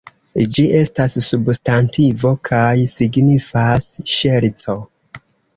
Ĝi estas substantivo kaj signifas ŝerco.